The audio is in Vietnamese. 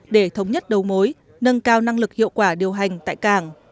để thống nhất đầu mối nâng cao năng lực hiệu quả điều hành tại cảng